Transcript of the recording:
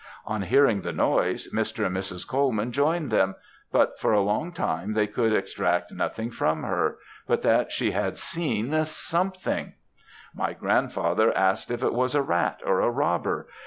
On hearing the noise, Mr. and Mrs. Colman joined them, but, for a long time, they could extract nothing from her but that she had seen something. My grandfather asked if it was a rat, or a robber!